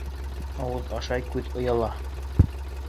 Ауыҙ ашай, күҙ ояла.